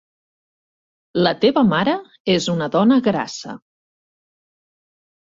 La teva mare és una dona grassa.